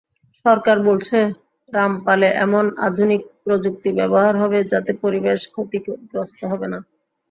সরকার বলছে, রামপালে এমন আধুনিক প্রযুক্তি ব্যবহার হবে যাতে পরিবেশ ক্ষতিগ্রস্ত হবে না।